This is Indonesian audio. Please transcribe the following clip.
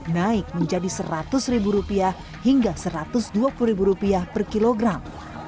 naik menjadi seratus rupiah hingga satu ratus dua puluh rupiah per kilogram